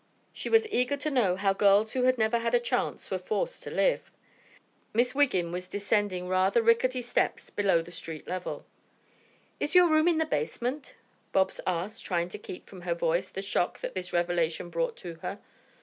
She was eager to know how girls who had never had a chance were forced to live. Miss Wiggin was descending rather rickety steps below the street level. "Is your room in the basement?" Bobs asked, trying to keep from her voice the shock that this revelation brought to her.